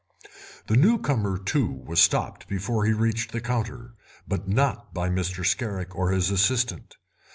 The newcomer, too, was stopped before he reached the counter, but not by Mr. Scarrick or his assistant.